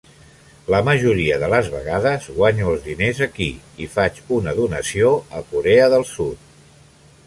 La majoria de les vegades, guanyo els diners aquí i faig una donació a Corea de Sud.